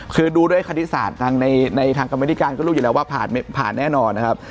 คือดูด้วยคณิตศาสตร์ในทางกรรมนิการก็รู้อยู่แล้วว่าผ่านแน่นอนนะครับ